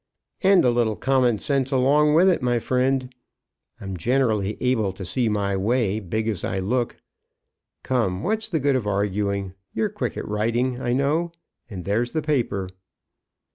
"And a little common sense along with it, my friend. I'm generally able to see my way, big as I look. Come; what's the good of arguing. You're quick at writing, I know, and there's the paper."